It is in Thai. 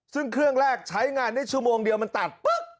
ซึ่งเครื่องแรกใช้งานได้ชั่วโมงเดียวมันตัดปุ๊บ